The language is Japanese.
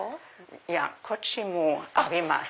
いやこっちもあります。